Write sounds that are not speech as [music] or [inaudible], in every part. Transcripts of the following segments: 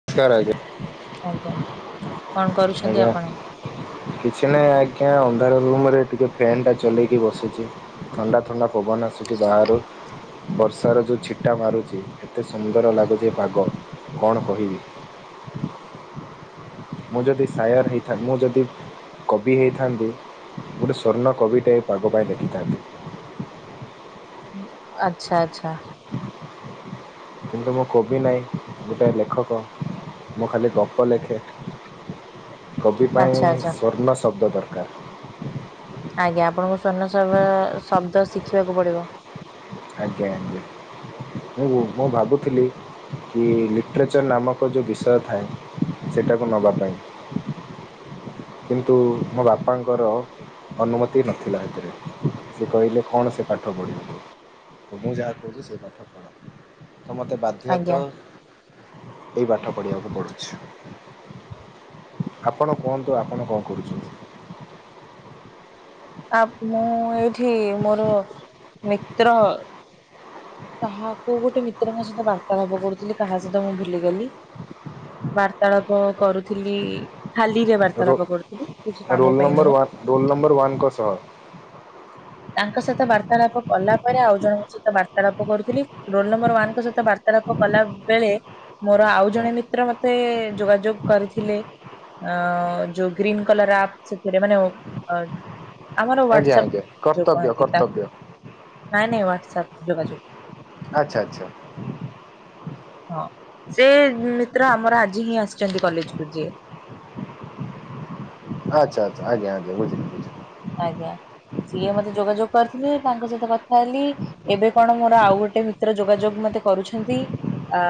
[unintelligible] ଆଜ୍ଞା କଣ କରୁଛନ୍ତି ଆଜ୍ଞା ଆପଣ। କିଛି ନହିଁ ଆଜ୍ଞା ଅନ୍ଧାର ରୁମ୍ରେ ଟିକେ ଫ୍ୟନ୍ ଟା ଚଲେଇକି ବସିଚି। ଥଣ୍ଡା ଥଣ୍ଡା ପବନ୍ ଆସୁଛି ବାହାରୁ। ବର୍ଷାର ଯେଉଁ ଛିଟା ମାରୁଛି ଏତେ ସୁନ୍ଦର ଲାଗୁଛି ପାଗ କଣ କହିବି। ମୁଁ ଯଦି ସାୟାର୍ ହେଇଥାଏ ମୁଁ ଯଦି କବି ହେଇଥାନ୍ତି ଗୋଟେ ସ୍ଵର୍ଣ୍ଣ କବିଟେ ପାଗ ପାଇଁ ଲେଖିଥାନ୍ତି। ଆଚ୍ଛା ଆଚ୍ଛା। କିନ୍ତୁ ମୁଁ କୋବି ନାଇଁ ଗୋଟେ ଲେଖକ ମୁଁ ଖାଲି ଗପ ଲେଖେ। କବି ପାଇଁ ଆଚ୍ଛା ସ୍ଵର୍ଣ୍ଣ ଶବ୍ଦ ଦର୍କାର୍। ଆଜ୍ଞା ଆପଣଙ୍କୁ ସ୍ଵର୍ଣ୍ଣ ସବ ଶବ୍ଦ ଶିଖିବାକୁ ପଡିବ। ଆଜ୍ଞା ଆଜ୍ଞା ମୁଁ ମୁଁ ଭାବୁଥିଲି। କି ଲିଟ୍ରେଚର୍ ନାମକ ଯେଉଁ ବିଷୟ ଥାଏ ସେଟାକୁ ନବା ପାଇଁ। କିନ୍ତୁ ମୋ ବାପାଙ୍କର ଅନୁମତି ନଥିଲା ହେଥିରେ ସେ କହିଲେ କଣ ସେ ପାଠ ପଢିବୁ। ମୁଁ ଯାହା କହୁଛି ସେଇ କଥା ଶୁଣ ତ ମତେ ବାଧ୍ୟ ଆଜ୍ଞା ତ ଏଇ ପାଠ ପଢ଼ିବାକୁ ପଡ଼ୁଛି। ଆପଣ କୁହନ୍ତୁ ଆପଣ କଣ କରୁଛନ୍ତି। ଆ ମୁଁ ଏଇଠି ମୋର ମିତ୍ର କାହା କୋଉ ଗୋଟେ ମିତ୍ରଙ୍କ ସହିତ ବାର୍ତ୍ତାଳାପ କରୁଥିଲି କାହା ସହିତ ମୁଁ ଭୁଲିଗଲି। ବାର୍ତ୍ତାଳାପ କରୁଥିଲି। ଖାଲି ରେ ରୋ ବାର୍ତ୍ତାଳାପ କରୁଥିଲି କିଛି କାମ ରୋଲ୍ ପାଇଁ ନମ୍ବର ନୁହଁ। ୱାନ୍ ରୋଲ୍ ନମ୍ବର ୱାନ୍ଙ୍କ ସହ ତାଙ୍କ ସହିତ ବାର୍ତ୍ତାଳାପ କଲା ପରେ ଆଉ ଜଣଙ୍କ ସହିତ ବାର୍ ର୍ତାଳାପ କରୁଥିଲି ରୋଲ୍ ନମ୍ବର୍ ୱାନ୍ ସହିତ ବାର୍ତ୍ତାଳାପ କଲା ବେଳେ ମୋର ଆଉ ଜଣେ ମିତ୍ର ମତେ ଯୋଗାଯୋଗ୍ କରିଥିଲେ। ଅ ଯୋଉ ଗ୍ରୀନ୍ କଲ୍ର ଆପ୍ ସେଥିରେ ମାନେ ଆମର ଆଜ୍ଞା ୱାଟ୍ସପ୍ ଆଜ୍ଞା ଯୋଉ କର୍ତ୍ତବ୍ୟ କୁହନ୍ତି ତାକୁ କର୍ତ୍ତବ୍ୟ ନାଇଁ ନାଇଁ ୱାଟ୍ସପ୍ ଯୋଗାଯୋଗ୍। ଆଚ୍ଛା ଆଚ୍ଛା। ହଁ ସେ ମିତ୍ର ଆମର ଆଜି ହିଁ ଆସ୍ଚନ୍ତି କଲେଜ୍କୁ ଯିଏ। ଆଚ୍ଛା ଆଛା ଆଜ୍ଞା ଆଜ୍ଞା ବୁଝିଲି ବୁଝିଲି। ଆଜ୍ଞା ସିଏ ମତେ ଯୋଗାଯୋଗ୍ କରିଥିଲେ ତାଙ୍କ ସହିତ କ ଲି ଏବେ କଣ ମୋର ଆଉ ଗୋଟେ ମିତ୍ର ଯୋଗାଯୋଗ୍ ମତେ କରୁଛନ୍ତି। ଆ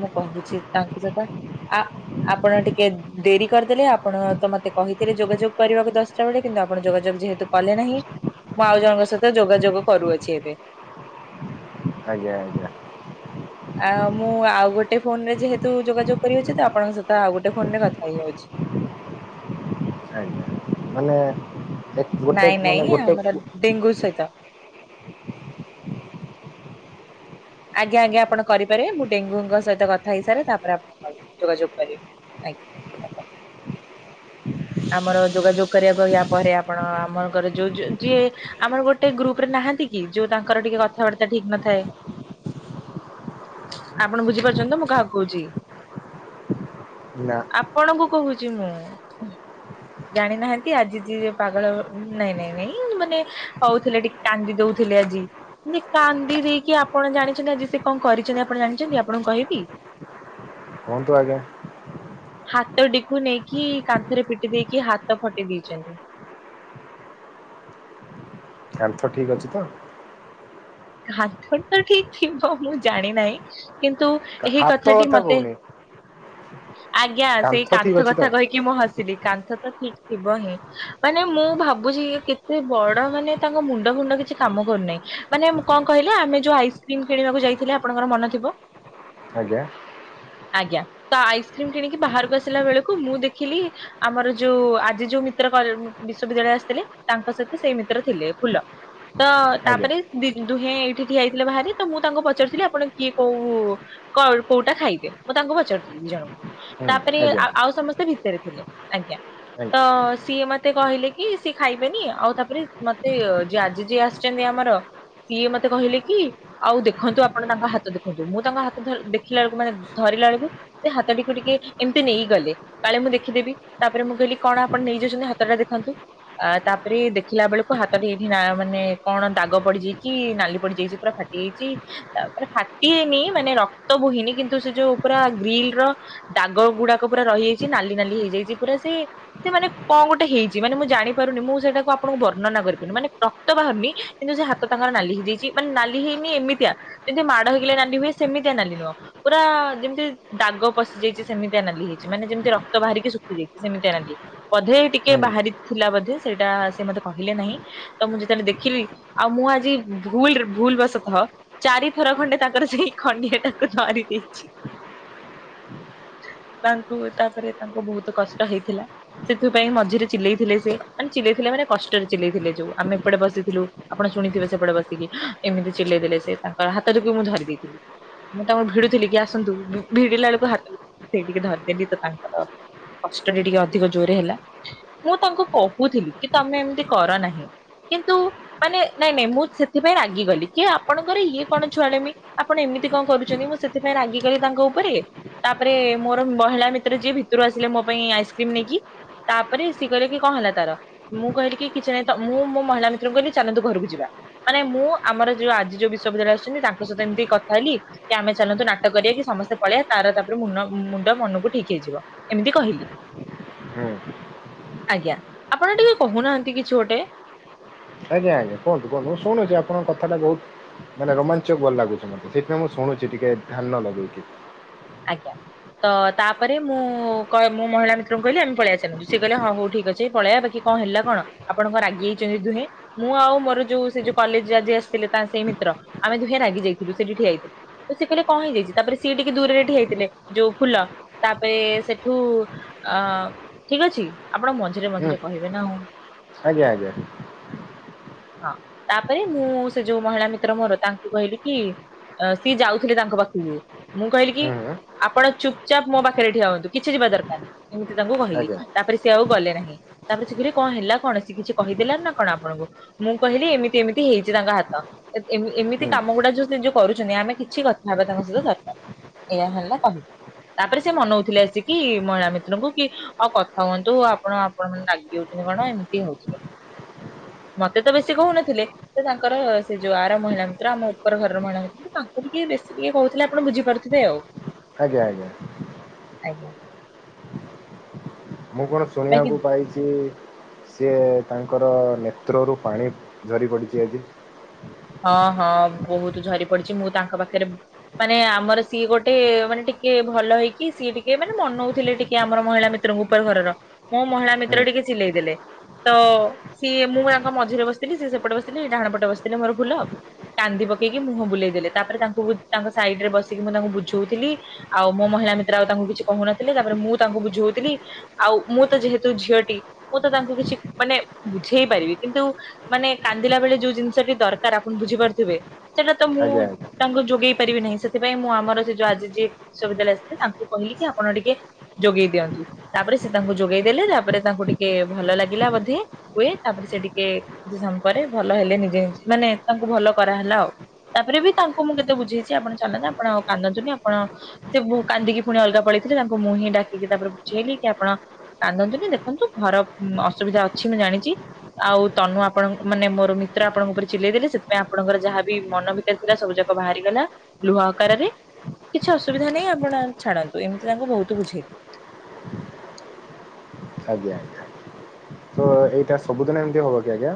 ମୁଁ କହୁଛି ତାଙ୍କୁ ସହିତ ଆ ଆପଣ ଟିକେ ଡେରି କର୍ଦେଲେ ଆପଣ ତ ମତେ କହିଥିଲେ ଯୋଗାଯୋଗ କରିବାକୁ ଦସ୍ ଚ ଉଡେ କିନ୍ତୁ ଆପଣ ଯୋଗାଯୋଗ ଯେହେତୁ କଲେ ନାହିଁ ମୁଁ ଆଉ ଜଣଙ୍କ ସହିତ ଯୋଗାଯୋଗ କରୁଅଛି ଏବେ। ଆଜ୍ଞା ଆଜ୍ଞା। ଆ ମୁଁ ଆଉ ଗୋଟେ ଫୋନ ରେ ଯେହେତୁ ଯୋଗାଯୋଗ କରିଅଛି ତ ଆପଣଙ୍କ ସହିତ ଆଉ ଗୋଟେ ଫୋନ ରେ କଥା ହେଇଯାଉଛି। ଆଜ୍ଞା ମାନେ ଗୋଟେ ଗୋଟେ ଗୁ ସହିତ ଆଜ୍ଞା ଆଜ୍ଞା ଆପଣ କରିପାରିବ ମୁଁ ଡେଙ୍ଗୁଙ୍କ ସହିତ କଥା ହେଇସାରାରେ ତାପରେ ଆପଣ ଯୋଗାଯୋଗ କରିବେ। ଆଜ୍ଞା। ଆମର ଯୋଗାଯୋଗ କରିବାକୁ ୟା ପରେ ଆପଣ ଆମଙ୍କର ଯୋଉ ଯିଏ ଆମର ଗୋଟେ ଗ୍ରୁପ୍ ରେ ନାହାନ୍ତି କି ଯୋଉ ତାଙ୍କର ଟିକେ କଥାବାର୍ତ୍ତା ଠିକ୍ ନଥାଏ। ଆପଣ ବୁଝିପାରୁଛନ୍ତି ମୁଁ କାହାକୁ କହୁଚି? ନା ଆପଣଙ୍କୁ କହୁଚି ମୁଁ। ଜାଣିନାହାନ୍ତି ଆଜି ଯିଏ ପାଗଳ ନାଇଁ ନାଇଁ ନାଇଁ ମାନେ ହୋଉଥିଲେ ଟିକେ କାନ୍ଦି ଦୋଉଥିଲେ ଆଜି। କାନ୍ଦି ଦେଇକି ଆପଣ ଜାଣିଛନ୍ତି ଆଜି ସେ କଣ କରିଛନ୍ତି ଆପଣ ଜାଣିଛନ୍ତି ଆପଣଙ୍କୁ କହିବି। କୁହନ୍ତୁ ଆଜ୍ଞା। ହାତ ଟିକୁ ନେଇକି କାନ୍ଥରେ ପିଟି ଦେଇକି ହାତ ଫଟେଇ ଦେଇଛନ୍ତି। କାନ୍ଥ ଠିକ୍ ଅଛି ତ? କାନ୍ଥଟା ଠିକ୍ ଥିବ ମୁଁ ଜାଣିନାହିଁ। କିନ୍ତୁ ଏହି ହାତ କଥାଟି କଥା ମତେ କହୁନି ଆଜ୍ଞା ସେଇ ଠିକ୍ କାନ୍ଥ ଅଛି ତ କଥା କହିି କି ମୁଁ ହସିଲି କାନ୍ଥ ତ ଠିକ୍ ଥିବ ହିଁ ମାନେ ମୁଁ ଭାବୁଛି କେତେ ବଡ ମାନେ ତାଙ୍କ ମୁଣ୍ଡ ଫୁଣ୍ଡ କିଛି କାମ କରୁନାହିଁ ମାନେ କଣ କହିଲା ଆମେ ଯୋଉ ଆଇସ୍କ୍ରିମ୍ କିଣିବାକୁ ଯାଇଥିଲେ ଆପଣଙ୍କର ମନେ ଥିବ? ଆଜ୍ଞା। ଆଜ୍ଞା ତ ଆଇସ୍କ୍ରିମ୍ କିଣିକି ବାହାରକୁ ଆସିଲା ବେଳକୁ ମୁଁ ଦେଖିଲି ଆମର ଯୋଉ ଆଜି ଯୋଉ ମିତ୍ର ବିଶ୍ବବିଦ୍ୟାଳୟ ଆସିଥିଲେ ତାଙ୍କ ସହିତ ସେଇ ମିତ୍ର ଥିଲେ ଫୁଲ ତ ଆଜ୍ଞା ତାପରେ ଦୁହେଁ ଏଇଠି ଠିଆ ହେଇଥିଲେ ବାହାରେ ତ ମୁଁ ତାଙ୍କୁ ପଚାରୁଥିଲି ଆପଣ କିଏ କୋଉ କଲ୍ କୋଉଟା ଖାଇବେ ମୁଁ ତାଙ୍କୁ ପଚାରିଥିଲି ଦି ଜଣକୁ ହୁଁ ତାପରେ ଆଜ୍ଞା ଆଉ ସମସ୍ତେ ଭିତରେ ଥିଲେ ଆଜ୍ଞା ଆଜ୍ଞା ତ ସିଏ ମ ମତେ କହିଲେ କି ସିଏ ଖାଇବେନି ଆଉ ତାପରେ ମତେ ଆଜି ଯିଏ ଆସିଛନ୍ତି ଆମର ସିଏ ମତେ କହିଲେ କି ଆଉ ଦେଖନ୍ତୁ ଆପଣ ତାଙ୍କ ହାତ ଦେଖନ୍ତୁ ମୁଁ ତାଙ୍କ ହାତ ଦେଖିଲା ବେଳକୁ ମାନେ ଧରିଲା ବେଳକୁ ସେ ହାତଟିକୁ ଟିକେ ଏମିତି ନେଇ ଗଲେ। କାଳେ ମୁଁ ଦେଖିଦେବି ତାପରେ ମୁଁ କହିଲି କଣ ଆପଣ ନେଇଯାଉଛନ୍ତି ହାତଟା ଦେଖାନ୍ତୁ। ଆ ତାପରେ ଦେଖିଲା ବେଳକୁ ହାତଟି ଏଇଠି ନା ମାନେ କଣ ଦାଗ ପଡିଯାଇଛି। କି ନାଲି ପଡିଯାଇଛି ପୁରା ଫାଟି ଯାଇଛି। ତାପରେ ଫାଟିନି ମାନେ ରକ୍ତ ବୋହିନି କିନ୍ତୁ ସେ ଯୋଉ ପୁରା ଗ୍ରୀଲ୍ ର ଦାଗ ଗୁଡାକ ପୁରା ରହିଯାଇଛି ନାଲି ନାଲି ହେଇଯାଇଛି ପୁରା ସେ ସେ ମାନେ କଣ ଗୋଟେ ହେଇଛି। ମାନେ ମୁଁ ଜାଣିପାରୁନି ମୁଁ ସେଟାକୁ ଆପଣଙ୍କୁ ବର୍ଣ୍ଣନା କରିପାରୁନି ମାନେ ରକ୍ତ ବାହାରୁନି କିନ୍ତୁ ସେ ହା ତ ତାଙ୍କର ନାଲି ହେଇଯାଇଛି ମାନେ ନାଲି ହେଇନି ଏମିତିଆ ଯେମିତି ମାଡ଼ ହେଇଗଲେ ନାଲି ହୁଏ ସେମିତିଆ ନାଲି ନୁହଁ। ପୁରା ଯେମିତି ଦାଗ ପଶି ଯାଇଛି ସେମିତି ନାଲି ହେଇଛି ମାନେ ଯେମିତି ରକ୍ତ ବାହାରିକି ଶୁଖି ଯାଇଛି ସେମିତି ନାଲି। ବଧେ ଟିକେ ହୁଁ ବାହାରି ଥିଲା ବୋଧେ ସେଇଟା ସେ ମତେ କହିଲେ ନାହିଁ ତ ମୁଁ ଯେତେବେଳେ ଦେଖିଲି ଆଉ ମୁଁ ଆଜି ଭୁଲ୍ ରେ ଭୁଲ୍ ବାସତଃ ଚାରି ଥର ଖଣ୍ଡେ ତାଙ୍କର ସେଇ ଖଣ୍ଡିଆ ଟାକୁ ଧରି ଦେଇଚି। ତାଙ୍କୁ ତାପରେ ତାଙ୍କୁ ବହୁତ କଷ୍ଟ ହେଇଥିଲା। ସେଥିପାଇଁ ମଝିରେ ଚିଲେଇଥିଲେ ସେ ମାନେ ଚିଲେଇଥିଲେ ମାନେ କଷ୍ଟରେ ଚିଲେଇଥିଲେ ଯୋଉ ଆମେ ଏପଟେ ବସିଥିଲୁ। ଆପଣ ଶୁଣିଥିବେ ସେପଟେ ବସିକି ଏମିତି ଚିଲେଇ ଦେଲେ ସେ ତାଙ୍କର ହାତ ଟିକୁ ମୁଁ ଧରି ଦେଇଥିଲି। ମୁଁ ତାଙ୍କୁର ଭିଡୁଥିଲି କି ଆସନ୍ତୁ ଭିଡିଲା ବେଳକୁ ହାତ ସେଇଠିକି ଧରିଦେଲି ତ ତାଙ୍କର ତାଙ୍କୁ କଷ୍ଟ ହିଁ ଟିକେ ଅଧିକ ଜୋରେ ହେଲା। ମୁଁ ତାଙ୍କୁ କହୁଥିଲି କି ତମେ ଏମିତି କର ନାହିଁ କିନ୍ତୁ ମାନେ ନାଇଁ ନାଇଁ ମୁଁ ସେଥିପାଇଁ ରାଗିଗଲି କିଏ ଆପଣଙ୍କର ଇଏ କଣ ଛୁଆ ଳାମି ଆପଣ ଏମିତି କଣ କରୁଛନ୍ତି ମୁଁ ସେଥିପାଇଁ ରାଗିଗଲି ତାଙ୍କ ଉପରେ ତାପରେ ମୋର ମହିଳା ମିତ୍ର ଯିଏ ଭିତରୁ ଆସିଲେ ମୋ ପାଇଁ ଆଇସ୍କ୍ରିମ୍ ନେଇକି ତାପରେ ସି କହିଲେ କି କଣ ହେଲା ତାର ମୁଁ କହିଲି କିଛି ନାହିଁ ମୁଁ ମୋ ମହିଳା ମିତ୍ରଙ୍କୁ କହିଲି ଚାଲନ୍ତୁ ଘରକୁ ଯିବା। ମାନେ ମୁଁ ଆମର ଯୋଉ ଆଜି ଯୋଉ ବିଶ୍ୱବିଦ୍ୟାଳୟ ଆସୁଚନ୍ତି ତାଙ୍କ ସହିତ ଏମିତି କଥା ହେଲି କି ଆମେ ଚାଲନ୍ତୁ ନାଟ କରିବା କି ସମସ୍ତେ ପଳେଇ ତାର ତାପରେ ମୁନ ମୁଣ୍ଡ ମନକୁ ଠିକ୍ ହେଇଯିବ। ଏମିତି କହିଲି ହୁଁ ଆଜ୍ଞା ଆପଣ ଟିକେ କହୁନାହାନ୍ତି କିଛି ଗୋଟେ। ଆଜ୍ଞା ଆଜ୍ଞା କୁହନ୍ତୁ କୁହନ୍ତୁ ମୁଁ ଶୁଣୁଚି ଆପଣଙ୍କ କଥାଟା ବହୁତ୍ ମାନେ ରୋମାଞ୍ଚକ ଭଲ ଲାଗୁଚି ମତେ ସେଥିପାଇଁ ମୁଁ ଶୁଣୁଚି ଟିକେ ଧ୍ୟାନ ଲଗେଇକି। ଆଜ୍ଞା। ତ ତା ପରେ ମୁଁ କ ମୁଁ ମହିଳା ମିତ୍ରଙ୍କୁ କହିଲି ଆମେ ପଳେଇବା ସେମିତି ସେ କହିଲେ ହଉ ହଉ ଠିକ୍ ଅଛି ପଳେଇବା ବାକି କଣ ହେଲା କଣ ଆପଣଙ୍କ ରାଗି ଯାଇଚନ୍ତି ଦୁହେଁ? ମୁଁ ଆଉ ମୋର ଯୋଉ ସେ ଯୋଉ କଲେଜ ଆଜି ଆସିଥିଲେ ତା ସେଇ ମିତ୍ର ଆମେ ଦୁହେଁ ରାଗି ଯାଇଥିଲୁ ସେଠି ଠିଆ ହେଇଥିଲୁ। ତ ସେ କହିଲେ କଣ ହେଇଯାଇଚି। ତା ପରେ ସିଏ ଟିକେ ଦୂରରେ ଠିଆ ହେଇଥିଲେ ଯୋଉ ଫୁଲ ତା ପରେ ସେଠୁ ଆଁ ଠିକ ଅଛି ଆପଣ ମଝ୍ ହୁଁ ଆଜ୍ଞା ଆଜ୍ଞା। ହଁ ତା ପରେ ମୁଁ ସେ ଯୋଉ ମହିଳା ମିତ୍ର ମୋର ତାଙ୍କୁ କହିଲି କି ଅ ସିଏ ଯାଉଥିଲେ ତାଙ୍କ ପାଖକୁ ମୁଁ କହିଲି କି ହୁଁ ଆପଣ ଚୁପ ଚାପ୍ ମୋ ପାଖରେ ଠିଆ ହୁଅନ୍ତୁ କିଛି ଯିବା ଦରକାର ନାହିଁ। ଏମିତି ତାଙ୍କୁ କହିଲି ଆଜ୍ଞା ତା ପରେ ସିଏ ଆଉ ଗଲେ ନାହିଁ। ତା ପରେ ସେ କହିଲେ କଣ ହେଲା କଣ ସେ କିଛି କହିଦେଲେ ନା କଣ ଆପଣଙ୍କୁ? ମୁଁ କହିଲି ଏମିତି ଏମିତି ହେଇଚି ତାଙ୍କ ହାତ। ହୁଁ ଏ-ଏମି-ଏମିତି କାମ ଗୁଡା ଯୋଉ ସେ ଯୋଉ କରୁଚନ୍ତି। ଆମେ କିଛି କଥା ହେବା ତାଙ୍କ ସହିତ ଦରକାର ନାଇଁ। ଏଇ ହେଲା କହିଲି ତାପରେ ସେ ମନଉଥିଲେ ଆସିକି ମହିଳା ମିତ୍ରଙ୍କୁ କି ହଉ କଥା ହୁଅନ୍ତୁ ଆପଣ ଆପଣ ମାନେ ରାଗି ଯାଉଚନ୍ତି କଣ ଏମିତି ହଉଥିଲେ। ମତେ ତ ବେଶି କହୁନଥିଲେ ସେ ତାଙ୍କର ସେ ଯୋଉ ଆର ମହିଳା ମିତ୍ର ଆମ ଉପର ଘରର ମହିଳା ମି ତାଙ୍କୁ ଟିକେ ବେଶୀ ଟିକେ କହୁଥିଲେ ଆପଣ ବୁଝିପାରୁଥିବେ ଆଉ। ଆଜ୍ଞା ଆଜ୍ଞା। ଆଜ୍ଞା। ମୁଁ କଣ ବାକି ଶୁଣିବାକୁ ପାଇଚି ସିଏ ତାଙ୍କର ନେତ୍ରରୁ ପାଣି ଝରି ପଡ଼ିଚି ଆଜି। ହଁ ହଁ ବହୁତ ଝରି ପଡିଚି। ମୁଁ ତାଙ୍କ ପାଖରେ ମାନେ ଆମର ସିଏ ଗୋଟେ ମାନେ ଟିକେ ଭଲ ହେଇକି ସିଏ ଟିକେ ମାନେ ମନଉଥିଲେ ଟିକେ ଆମର ମହିଳା ମ ତ୍ର [unintelligible] ଘରର ମୋ ମହିଳା ହୁଁ ମିତ୍ର ଟିକେ ଚିଲେଇ ଦେଲେ। ତ ସିଏ ମୁଁ ତାଙ୍କ ମଝିରେ ବସିଥିଲି। ସିଏ ସେପଟେ ବସିଥିଲେ। ଇଏ ଡାହାଣ ପଟେ ବସିଥିଲେ ମୋର ଭୁଲ ଆଉ କାନ୍ଦି ପକେଇକି ମୁହଁ ବୁଲେଇ ଦେଲେ ତା ପରେ ତାଙ୍କୁ ତାଙ୍କ ସାଇଡ ରେ ବସିକି ମୁଁ ତାଙ୍କୁ ବୁଝଉଥିଲି। ଆଉ ମୋ ମହିଳା ମିତ୍ର ଆଉ ତାଙ୍କୁ କିଛି କହୁନଥିଲେ। ତା ପରେ ମୁଁ ତାଙ୍କୁ ବୁଝଉଥିଲି। ଆଉ ମୁଁ ତ ଯେହେତୁ ଝିଅଟି ମୁଁ ତ ତାଙ୍କୁ କିଛି ମାନେ ବୁଝେଇ ପାରିବି। କିନ୍ତୁ ମାନେ କାନ୍ଦିଲା ବେଳେ ଯୋଉ ଜିନିଷଟି ଦରକାର ଆପଣ ବୁଝିପାରୁଥିବେ। ସେଇଟା ତ ମୁଁ ଆଜ୍ଞା ଆଜ୍ଞା ତାଙ୍କୁ ଯୋଗେଇ ପାରିବି ନାହିଁ। ସେଥିପାଇଁ ମୁଁ ଆମର ସେ ଯୋଉ ଆଜି ଯିଏ ବିଶ୍ୱବିଦ୍ୟାଳୟ ଆସିଥିଲେ ତାଙ୍କୁ କହିଲି କି ଆପଣ ଟିକେ ଯୋଗେଇ ଦିଅନ୍ତୁ ତା ପରେ ସେ ତାଙ୍କୁ ଯୋଗେଇ ଦେଲେ ତାପରେ ତାଙ୍କୁ ଟିକେ ଭଲ ଲାଗିଲା ବୋଧେ? ହୁଏ ତାପରେ ସେ ଟିକେ କିଛି ସମୟ ପରେ ଭଲ ହେଲେ ନିଜେ ନିଜ ମାନେ ତାଙ୍କୁ ଭଲ କରାହେଲା ଆଉ। ତା ପରେ ବି ତାଙ୍କୁ ମୁଁ କେତେ ବୁଝେଇଛି ଆପଣ ଚାଲନ୍ତୁ ଆପଣ ଆଉ କାନ୍ଦନ୍ତୁନି। ଆପଣ ସେ ବୁ କାନ୍ଦିକି ପୁଣି ଅଲଗା ପଳେଇଥିଲେ ତାଙ୍କୁ ମୁଁ ହିଁ ଡାକିକି ତା ପରେ ବୁଝେଇଲି। କି ଆପଣ କାନ୍ଦନ୍ତୁନି ଦେଖନ୍ତୁ ଘର ଅସୁବିଧା ଅଛି ମୁଁ ଜାଣିଚି। ଆଉ ତନୁ ଆପଣଙ୍କ ମାନେ ମୋର ମିତ୍ର ଆପଣଙ୍କ ଉପରେ ଚିଲେଇ ଦେଲେ। ସେଥିପାଇଁ ଆପଣଙ୍କର ଯାହା ବିି ମନ ଭିତରେ ଥିଲା ସବୁ ଯାକ ବାହାରିଗଲା ଲୁହା ଆକାରରେ। କିଛି ଅସୁବିଧା ନାହିଁ ଆପଣ ଛାଡନ୍ତୁ। ଏମତି ତାଙ୍କୁ ବହୁତ ବୁଝେଇଲି। ଆଜ୍ଞା ତ ଏଇଟା ସବୁଦିନ ଏମିତି ହବ କି ଆଜ୍ଞା?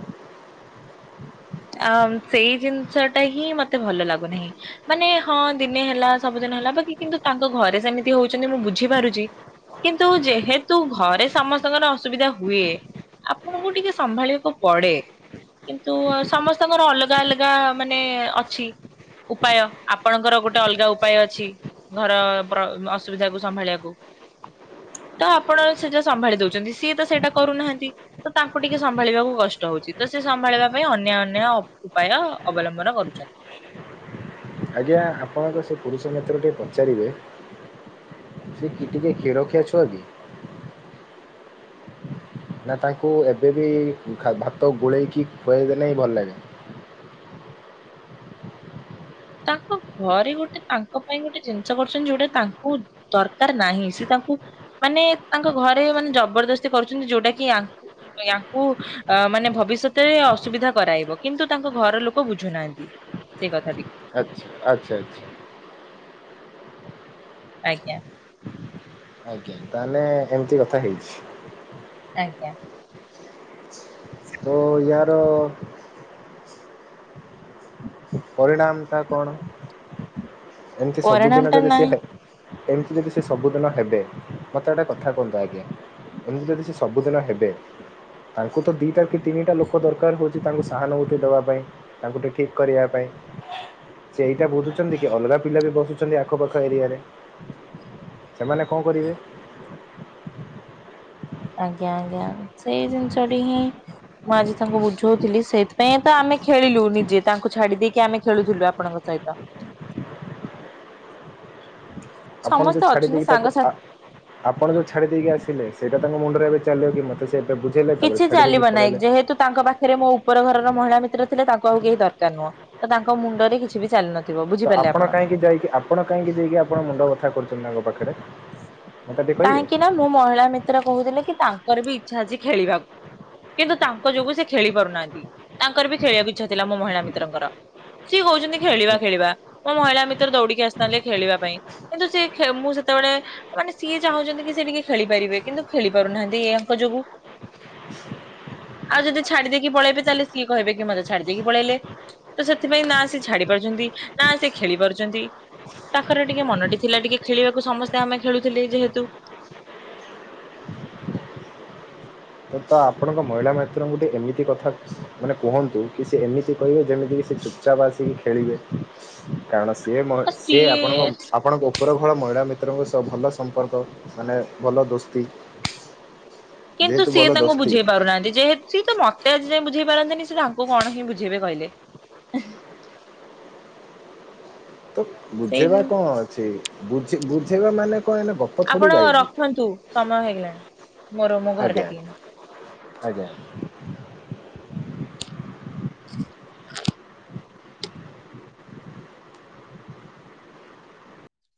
ଆଁ ସେଇ ଜିନିଷ ଟା ହିଁ ମତେ ଭଲ ଲାଗୁନାହିଁ। ମାନେ ହଁ ଦିନେ ହେଲା ସବୁଦିନ ହେଲା ବାକି କିନ୍ତୁ ତାଙ୍କ ଘରେ ସେମିତି ହଉଚନ୍ତି ମୁଁ ବୁଝିପାରୁଚି। କିନ୍ତୁ ଯେହେତୁ ଘରେ ସମସ୍ତଙ୍କର ଅସୁବିଧା ହୁଏ। ଆପଣଙ୍କୁ ଟିକେ ସମ୍ଭାଳିବାକୁ ପଡେ। କିନ୍ତୁ ଅ ସମସ୍ତଙ୍କର ଅଲଗା ଅଲଗା ମାନେ ଅଛି। ଉପାୟ ଆପଣଙ୍କର ଗୋଟେ ଅଲଗା ଉପାୟ ଅଛି। ଘର ପ୍ର ଅସୁବିଧା କୁ ସମ୍ଭାଳିବାକୁ। ତ ଆପଣ ସେଟା ସମ୍ଭାଳି ଦଉଛନ୍ତି ସିଏ ତ ସେଇଟା କରୁନାହାନ୍ତି। ତ ତାଙ୍କୁ ଟିକେ ସମ୍ଭାଳିବାକୁ କଷ୍ଟ ହଉଛି ତ ସେ ସମ୍ଭାଳିବା ପାଇଁ ଅନ୍ୟ ଅନ୍ୟ ଉପାୟ ଅବଲମ୍ବନ କରୁଛନ୍ତି। ଆଜ୍ଞା ଆପଣଙ୍କ ସେ ପୁରୁଷ ମିତ୍ର କୁ ଟି ପଚାରିବେ। ସେ କି ଟିକେ କ୍ଷୀର ଖିଆଛୁଆ କି। ନା ତାଙ୍କୁ ଏବେ ବିି ଭାତ ଗୋଳେଇକି ହିଁ ଖୁଆଇ ଦେଲେ ହିଁ ଭଲ ଲାଗେ। ତାଙ୍କ ଘରେ ଗୋଟେ ତାଙ୍କ ପାଇଁ ଗୋଟେ ଜିନିଷ କରୁଛନ୍ତି ଯୋଉଟା ତାଙ୍କୁ ଦରକାର ନାହିଁ ସେ ତାଙ୍କୁ ମାନେ ତାଙ୍କ ଘରେ ମାନେ ଜବରଦସ୍ତି କରୁଛନ୍ତି ଯୋଉଟା କି ଅଙ୍କୁ ୟାଙ୍କୁ ଅ ମାନେ ଭବିଷ୍ୟତରେ ଅସୁବିଧା କରାଇବ କିନ୍ତୁ ତାଙ୍କ ଘର ଲୋକ ବୁଝୁନାହାନ୍ତି। ସେଇ କଥାଟିି। ଆଚ୍ଛା ଆଚ୍ଛା। ଆଜ୍ଞା। ଆଜ୍ଞା ତାହେଲେ ଏମିତି କଥା ହେଇଛି। ଆଜ୍ଞା। ଓ ୟାର ପରିଣାମ ଟା କଣ ଏମିତି ପରିଣାମ ସବୁଦିନ ଟା ତ ବେଶି ନାହିଁ ହେ ମିତି ଯଦି ସେ ସବୁଦିନ ହେବେ ମୋତେ ଗୋଟେ କଥା କୁହନ୍ତୁ ଆଜ୍ଞା। ଏମିତି ଯଦି ସେ ସବୁଦିନ ହେବେ। ତାଙ୍କୁ ତ ଦିଇଟା କି ତିନିଟା ଲୋକ ଦରକାର ହେଉଛି ତାଙ୍କୁ ସାହାନୁଭୂତି ଦେବା ପାଇଁ ତାଙ୍କୁ ଟିକେ ଠିକ୍ କରିବା ପାଇଁ। ସେଇଟା ବୁଧୁଛନ୍ତି କି ଅଲଗା ପିଲା ବି ବସୁଛନ୍ତି ଆଖପାଖ ଏରିଆରେ। ସେମାନେ କଣ କରିବେ। ଆଜ୍ଞା ଆଜ୍ଞା ସେଇ ଜିନିଷଟି ହିଁ ମୁଁ ଆଜି ତାଙ୍କୁ ବୁଝଉଥିଲି ସେଇଥିପାଇଁ ତ ଆମେ ଖେଳିଲୁ ନିଜେ ତାଙ୍କୁ ଛାଡି ଦେଇକି ଆମେ ଖେଳୁଥିଲୁ ଆପଣଙ୍କ ସହିତ ତ ଆପଣ ଯୋଉ ସମସ୍ତେ ଛାଡି ଅଛନ୍ତି ଦେଇକି ତାକୁ ସାଙ୍ଗସା ଆ ଆପଣ ଯୋଉ ଛାଡି ଦେଇକି ଆସିଲେ ସେଇଟ ତାଙ୍କ ମୁଣ୍ଡରେ ଏବେ ଚାଲିବ କି ମତେ ସେ ଏବେ ବୁଝେଇଲେ ତାପରେ କିଛି ଛାଡି ଚାଲିବ ଦେଇକି ନାହିଁ ପଳେଇଲେ। ଯେହେତୁ ତାଙ୍କ ପାଖରେ ମୋ ଉପର ଘରର ମହିଳା ମିତ୍ର ଥିଲା ତାଙ୍କୁ ଆଉ କେହି ଦରକାର ନୁହଁ ତ ତାଙ୍କ ମୁଣ୍ଡରେ କିଛି ବି ଚାଲୁନ ତ ଆପଣ କାହିଁକି ଯାଇକି ଆପଣ କାହିଁକି ଯାଇକି ଆପଣ ମୁଣ୍ଡ ବଥା କରୁଛନ୍ତି ତାଙ୍କ ପାଖରେ। ମତେ ଟିକେ କହିବେ? କାହିଁକି ନା ମୁଁ ମହିଳା ମିତ୍ର କହୁଥିଲି କି ତାଙ୍କର ବି ଇଚ୍ଛା ଅଛି ଖେଳିବାକୁ। କିନ୍ତୁ ତାଙ୍କ ଯୋଗୁ ସେ ଖେଳି ପାରୁନାହାନ୍ତି ତାଙ୍କର ବି ଖେଳିବାକୁ ଇଚ୍ଛା ଥିଲା ମୋ ମହିଳା ମିତ୍ରଙ୍କର। ସିଏ କହୁଛନ୍ତି ଖେଳିବା ଖେଳିବା ମୋ ମହିଳା ମିତ୍ର ଦୌଡିକି ଆସିଥାନ୍ତି ଖେଳିବା ପାଇଁ। କିନ୍ତୁ ସେ ମୁଁ ସେତେବେଳେ ମାନେ ସିଏ ଚାହୁଁଛନ୍ତି କି ସେ ଟିକେ ଖେଳିପାରିବେ କିନ୍ତୁ ଖେଳି ପାରୁନାହାନ୍ତି ଏଙ୍କ ଯୋଗୁ ଆଉ ଯଦି ଛାଡି ଦେକି ପଳାଇବି ତାହେଲେ ସିଏ କହିବେ କି ମତେ ଛାଡିଦେକି ପଳେଇଲେ। ତ ସେଥିପାଇଁ ନା ସେ ଛାଡି ପାରୁଛନ୍ତି ନା ସେ ଖେଳି ପାରୁଛନ୍ତି। ତାଙ୍କର ଟିକେ ମନଟି ଥିଲା ଟିକେ ଖେଳିବାକୁ ସମସ୍ତେ ଆମେ ଖେଳୁଥିଲେ ଯେହେତୁ। ତ ତା ଆପଣଙ୍କ ମହିଳା ମିତ୍ରଙ୍କୁ ଗୋଟେ ଏମିତି କଥା ମାନେ କୁହନ୍ତୁ କି ସେ ଏମିତି କହିବେ ଯେମିତିକି ସେ ଚୁପଚାପ ଆସିକି ଖେଳିବେ। କାରଣ ସିଏ ମହି ସିଏ ଆପଣଙ୍କ ଆପଣଙ୍କ ଉପର ଘର ମହିଳା ମିତ୍ରଙ୍କ ସହ ଭଲ ସମ୍ପର୍କ ମାନେ ଭଲ ଦୋସ୍ତି। କିନ୍ତୁ ଯେହେତୁ ଭଲ ସିଏ ତାଙ୍କୁ ଦୋସ୍ତି ବୁଝେଇ ପାରୁନାହାନ୍ତି ଯେହେତୁ ସିଏ ତ ମତେ ଆଜି ଯାଏ ବୁଝେଇ ପାରି ନାହାଁନ୍ତି ସେ ତାଙ୍କୁ କଣ ହିଁ ବୁଝେଇବେ କହିଲେ। ତ ସେଇ ବୁଝେଇବା କଣ ଅଛି ବୁଝେ ବୁଝେଇବା ମାନେ କହିଲେ ଗ ଆପଣ ରଖନ୍ତୁ ସମୟ ହେଇଗଲାଣି ମୋର ମୋ ଘରେ ଆଜ୍ଞା ଡାକିଲେଣି। ଆଜ୍ଞା। [inaudible]